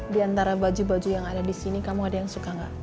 di antara baju baju yang ada di sini kamu ada yang suka nggak